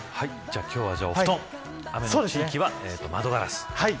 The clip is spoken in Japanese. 今日はお布団雨の地域は、窓ガラス。